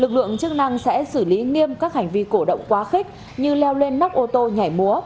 lực lượng chức năng sẽ xử lý nghiêm các hành vi cổ động quá khích như leo lên nóc ô tô nhảy múa